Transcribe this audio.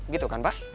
gitu kan pak